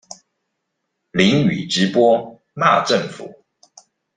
淋雨直播罵政府